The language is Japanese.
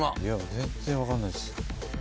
全然分かんないです。